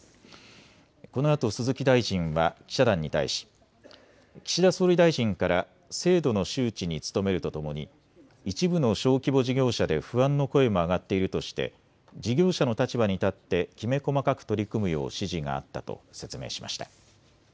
このあと鈴木大臣は記者団に対し岸田総理大臣から制度の周知に努めるとともに一部の小規模事業者で不安の声も上がっているとして事業者の立場に立ってきめ細かく取り組むよう指示があったと説明しました。